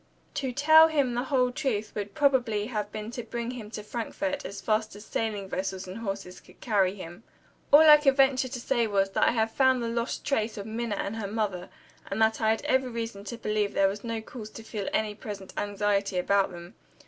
To tell him the whole truth would probably have been to bring him to Frankfort as fast as sailing vessels and horses could carry him. All I could venture to say was, that I had found the lost trace of Minna and her mother, and that I had every reason to believe there was no cause to feel any present anxiety about them.